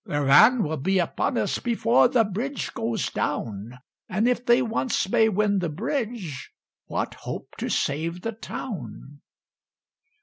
"Their van will be upon us Before the bridge goes down; And if they once may win the bridge, What hope to save the town?"